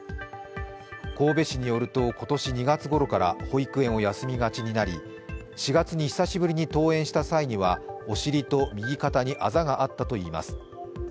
神戸市によると今年２月ごろから保育園を休みがちになり４月に久しぶりに登園した際には、お尻と右肩にあざがあったといいます。